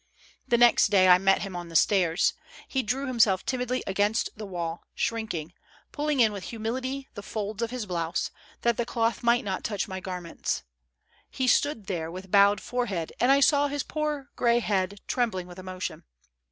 The next aay, I met him on the stairs. He drew himself timidly against the wall, shrinking, pulling in 808 MY NEIGHBOR JACQUES. witli humility the folds of his blouse, that the cloth might not touch my garments. He stood there with bowed forehead, and I saw his poor gray head trembling with emotion.